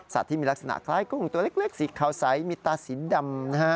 ที่มีลักษณะคล้ายกุ้งตัวเล็กสีขาวใสมีตาสีดำนะฮะ